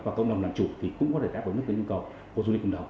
và cộng đồng làm chủ thì cũng có thể đáp ứng được cái nhu cầu của du lịch cộng đồng